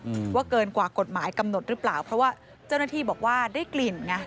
อืมว่าเกินกว่ากฎหมายกำหนดหรือเปล่าเพราะว่าเจ้าหน้าที่บอกว่าได้กลิ่นไง